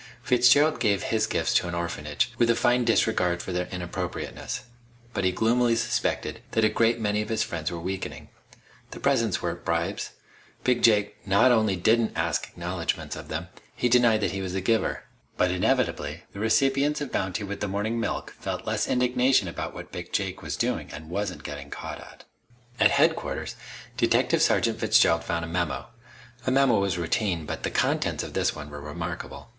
Fitzgerald gave his gifts to an orphanage, with a fine disregard of their inappropriateness. But he gloomily suspected that a great many of his friends were weakening. The presents weren't bribes. Big Jake not only didn't ask acknowledgments of them, he denied that he was the giver. But inevitably the recipients of bounty with the morning milk felt less indignation about what Big Jake was doing and wasn't getting caught at. At Headquarters, Detective Sergeant Fitzgerald found a memo. A memo was routine, but the contents of this one were remarkable.